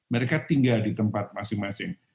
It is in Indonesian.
mereka tinggal di tempat masing masing